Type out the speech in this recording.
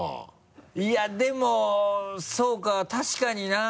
いやでもそうか確かにな。